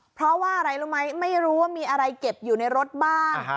เพราะว่าอะไรรู้ไหมไม่รู้ว่ามีอะไรเก็บอยู่ในรถบ้าง